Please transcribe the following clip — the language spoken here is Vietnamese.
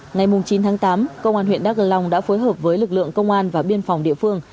ngày chín tháng tám công an huyện đắk long đã phối hợp với lực lượng công an và biên phòng địa phương